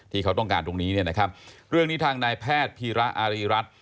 ที่เขาต้องการตรงนี้เนี่ยนะครับเรื่องนี้ทางนายแพทย์พีระอารีรัฐ